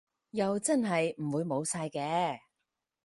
又真係唔會冇晒嘅